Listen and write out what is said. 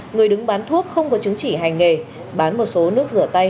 người đứng bán thuốc không có chứng chỉ hành nghề bán một số nước rửa tay